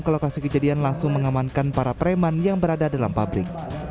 ketika kejadian langsung mengamankan para pereman yang berada dalam pabrik